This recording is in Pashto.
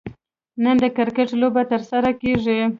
نن د کرکټ لوبه ترسره کیږي